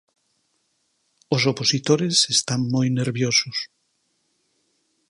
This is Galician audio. Os opositores están moi nerviosos.